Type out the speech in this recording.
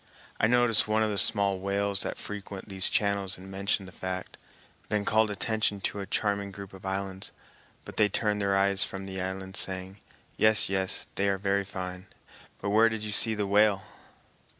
I noticed one of the small whales that frequent these channels and mentioned the fact, then called attention to a charming group of islands, but they turned their eyes from the islands, saying, "Yes, yes, they are very fine, but where did you see the whale?"